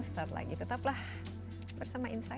sesaat lagi tetaplah bersama insight